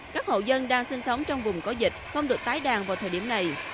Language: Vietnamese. các hộ dân đang sinh sống trong vùng có dịch không được tái đàn vào thời điểm này